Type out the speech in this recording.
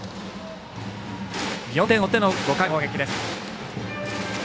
４点を追っての５回裏の攻撃です。